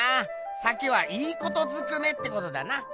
鮭はいいことずくめってことだな。